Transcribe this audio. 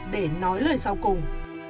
để nói lời sau cùng